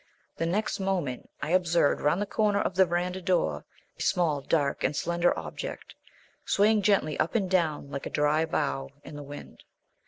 The next moment I observed round the corner of the verandah door a small, dark, and slender object, swaying gently up and down like a dry bough in the wind.